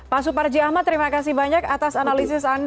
pak suparji ahmad terima kasih banyak atas analisis anda